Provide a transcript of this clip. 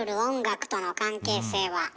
音楽との関係性は。